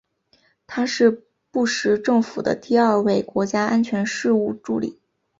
他是布什政府的第二位国家安全事务助理。